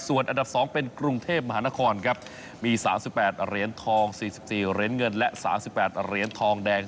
ส่วนอันดับ๒เป็นกรุงเทพมหานครครับมี๓๘เหรียญทอง๔๔เหรียญเงินและ๓๘เหรียญทองแดง